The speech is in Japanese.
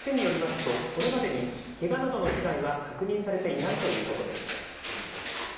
店によりますとこれまでに、けがなどの被害は確認されていないということです。